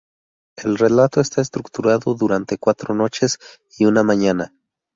El relato está estructurado durante cuatro noches y una mañana.